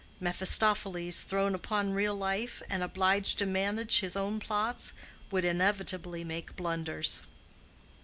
Mephistopheles thrown upon real life, and obliged to manage his own plots, would inevitably make blunders.